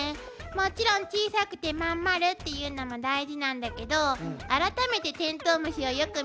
もちろん小さくてまん丸っていうのも大事なんだけど改めてテントウムシをよく見て。